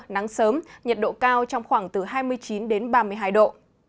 nắng sớm nhiệt độ cao trong khoảng từ hai mươi chín đến ba mươi hai độ